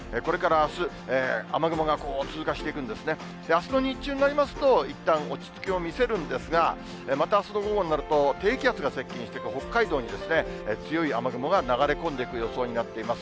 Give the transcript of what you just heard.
あすの日中になりますと、いったん落ち着きを見せるんですが、またあすの午後になると、低気圧が接近して、北海道に、強い雨雲が流れ込んでいく予想になっています。